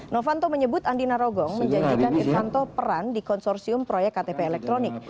novanto menyebut andi narogong menjanjikan irvanto peran di konsorsium proyek ktp elektronik